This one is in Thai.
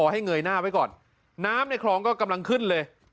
เงยหน้าไว้ก่อนน้ำในคลองก็กำลังขึ้นเลย